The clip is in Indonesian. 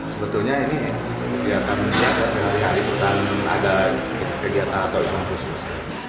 sebetulnya ini kegiatan biasa sehari hari bukan ada kegiatan atau event khusus